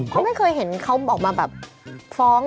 เค้าไม่เคยเห็นเค้าออกมาฟ้องอะไรเกี่ยวกับเรากันแล้ว